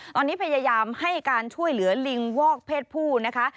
ตอนนี้พยายามให้การช่วยเหลือลิงวอกเพศผู้นะคะ